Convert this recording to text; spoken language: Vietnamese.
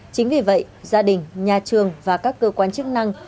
chính vì vậy gia đình nhà trường và các cơ quan chức năng